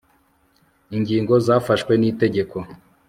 Ingingo zafashwe n igitengo